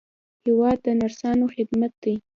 هېواد د نرسانو خدمت دی.